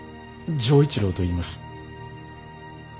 錠一郎といいます。